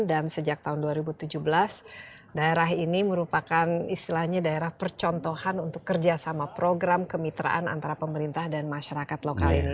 dan sejak tahun dua ribu tujuh belas daerah ini merupakan istilahnya daerah percontohan untuk kerja sama program kemitraan antara pemerintah dan masyarakat lokal ini